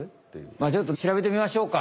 まあちょっとしらべてみましょうか。